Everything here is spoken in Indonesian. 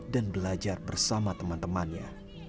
dan belajar bersama teman temannya